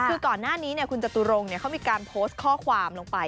คือก่อนหน้านี้คุณจตุรงเขามีการโพสต์ข้อความลงไป